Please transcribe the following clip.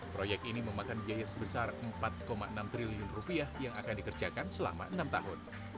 proyek ini memakan biaya sebesar rp empat enam triliun yang akan dikerjakan selama enam tahun